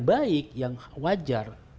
baik yang wajar